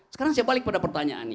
sekarang saya balik pada pertanyaan ini